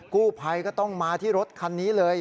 กู้ภัยก็ต้องมาที่รถคันนี้เลย